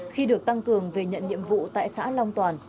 khi được tăng cường về nhận nhiệm vụ tại xã long toàn